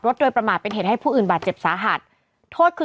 โดยประมาทเป็นเหตุให้ผู้อื่นบาดเจ็บสาหัสโทษคือ